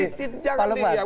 ini tidak ada diri ya